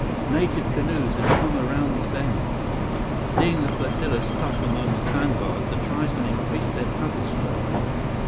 Native canoes had come around the bend. Seeing the flotilla stuck among the sandbars, the tribesmen increased their paddle strokes.